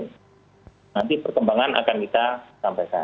nanti perkembangan akan kita sampaikan